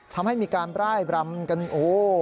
ทำให้มีการร่ายรำกันโอ้โห